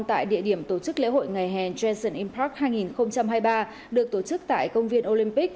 tại địa điểm tổ chức lễ hội ngày hè janssen impact hai nghìn hai mươi ba được tổ chức tại công viên olympic